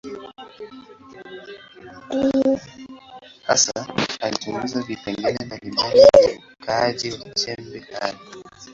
Hasa alichunguza vipengele mbalimbali vya ukuaji wa chembe hai.